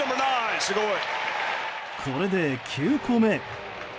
これで９個目。